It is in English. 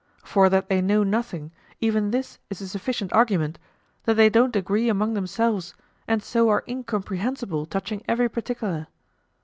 For that they know nothing, even this is a sufficient argument, that they don't agree among themselves and so are incomprehensible touching every particular.